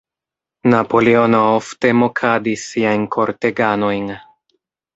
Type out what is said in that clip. Napoleono ofte mokadis siajn korteganojn.